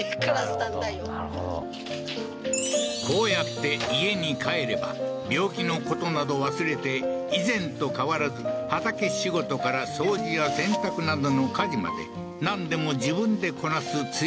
なるほどこうやって家に帰れば病気のことなど忘れて以前と変わらず畑仕事から掃除や洗濯などの家事までなんでも自分でこなすツヱ